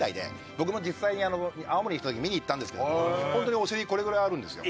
僕も実際に青森に来た時見に行ったんですけどもホントにお尻これぐらいあるんですよ。